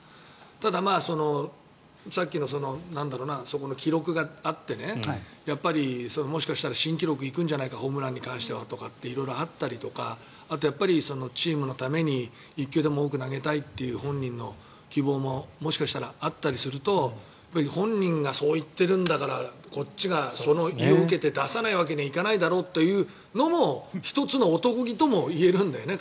ただ、さっきのそこの記録があってねもしかしたら新記録行くんじゃないかホームランに関してはとか色々あったりとかあとは、チームのために１球でも多く投げたいという本人の希望ももしかしたらあったりすると本人がそう言ってるんだからこっちがその意を受けて出さないわけにはいかないだろうというのも１つの男気ともいえるんだよね。